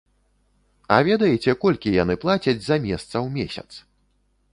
А ведаеце, колькі яны плацяць за месца ў месяц?